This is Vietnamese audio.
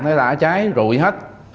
nó đã cháy rụi hết